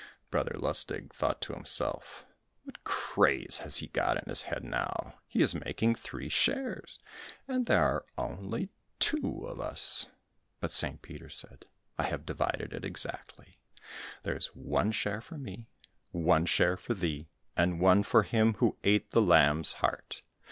Brother Lustig thought to himself, "What craze has he got in his head now? He is making three shares, and there are only two of us!" But St. Peter said, "I have divided it exactly; there is one share for me, one for thee, and one for him who ate the lamb's heart."